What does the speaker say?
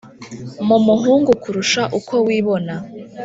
Mu muhungu kurusha uko wibona